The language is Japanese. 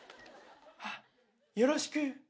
「あっよろしく」。